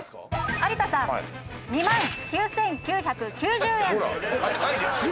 有田さん２万９９９０円。